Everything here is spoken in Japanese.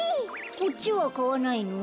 こっちはかわないの？